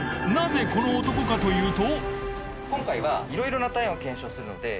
この男かというと？